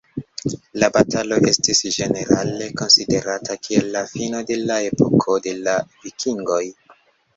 La batalo estis ĝenerale konsiderata kiel la fino de la epoko de la Vikingoj.